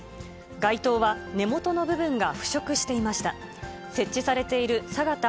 街灯は、根元の部分が腐食していました。